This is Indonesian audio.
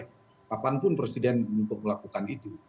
kapanpun presiden untuk melakukan itu